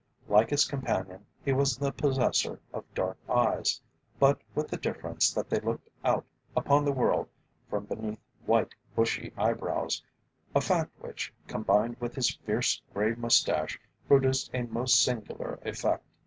Like his companion he was the possessor of dark eyes, but with the difference that they looked out upon the world from beneath white bushy eyebrows, a fact which, combined with his fierce grey moustache, produced a most singular effect.